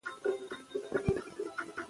پښتو ژبه زموږ د هڅو مرکز ده.